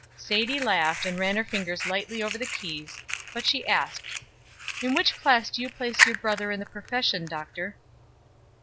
Sadie laughed, and ran her fingers lightly over the keys; but she asked: "In which class do you place your brother in the profession, Doctor?"